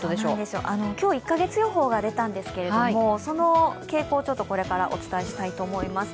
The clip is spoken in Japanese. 今日、１カ月予報が出たんですけれどもその傾向ちょっとこれからお伝えしたいと思います。